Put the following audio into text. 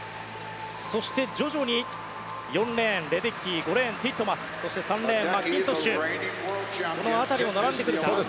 そして徐々に４レーン、レデッキー５レーン、ティットマスそして、３レーンマッキントッシュこの辺りは並んでくるか。